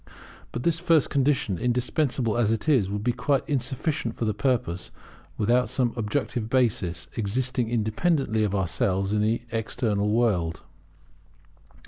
But this first condition, indispensable as it is, would be quite insufficient for the purpose, without some objective basis, existing independently of ourselves in the external world.